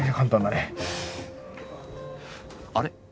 あれ？